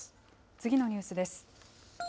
次のニュースです。